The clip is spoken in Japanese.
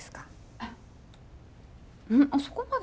あっそこまで。